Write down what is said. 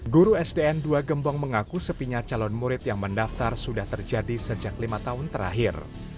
guru sdn dua gembong mengaku sepinya calon murid yang mendaftar sudah terjadi sejak lima tahun terakhir